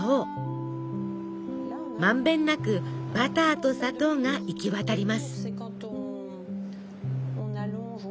満遍なくバターと砂糖が行き渡ります。